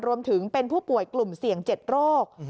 รวมถึงเป็นผู้ป่วยกลุ่มเสี่ยง๗โรค